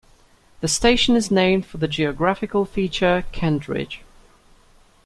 The station is named for the geographical feature, Kent Ridge.